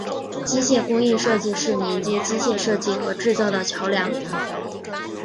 机械工艺设计是连接机械设计和制造的桥梁。